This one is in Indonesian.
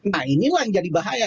nah inilah yang jadi bahaya